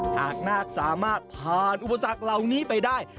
หากนาคสามารถผ่านอุปสรรคเหล่านี้ไปได้